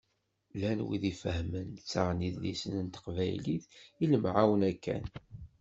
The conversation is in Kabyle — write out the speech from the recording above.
Llan wid ifehmen, ttaɣen idlisen n teqbaylit, i lemɛawna kan.